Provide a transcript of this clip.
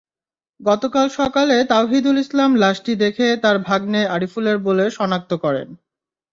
গতকাল সকালে তাওহিদুল ইসলাম লাশটি দেখে তাঁর ভাগনে আরিফুলের বলে শনাক্ত করেন।